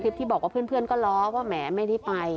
ที่บอกว่าเพื่อนก็ล้อว่าแหมไม่ได้ไป